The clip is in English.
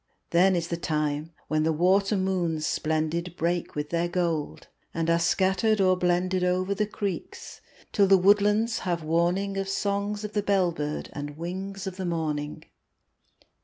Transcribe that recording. Then is the time when the water moons splendid Break with their gold, and are scattered or blended Over the creeks, till the woodlands have warning Of songs of the bell bird and wings of the morning.